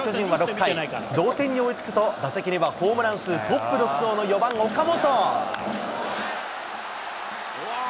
ヤクルトと対戦した巨人は、巨人は６回、同点に追いつくと打席にはホームラン数トップ独走の４番岡本。